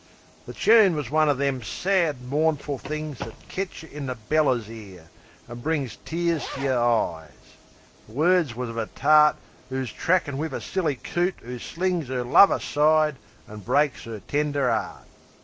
The choon was one o' them sad, mournful things That ketch yeh in the bellers 'ere, and brings Tears to yer eyes. The words was uv a tart 'Oo's trackin' wiv a silly coot 'oo slings 'Er love aside, an' breaks 'er tender 'eart....